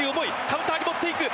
カウンターに持っていく。